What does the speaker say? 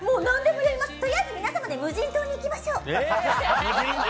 とりあえず皆様で無人島に行きましょう。